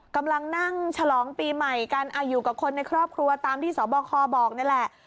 กำลังนั่งฉลองปีใหม่กันอยู่กับคนในครอบครัวตามที่สบคบอกนี่แหละ